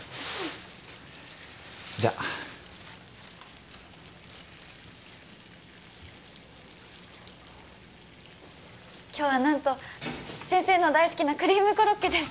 じゃあ今日は何と先生の大好きなクリームコロッケです